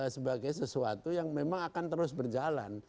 sebagai sesuatu yang memang akan terus berjalan